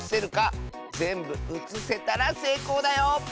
ぜんぶうつせたらせいこうだよ！